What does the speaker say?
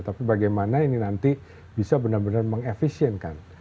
tapi bagaimana ini nanti bisa benar benar mengefisienkan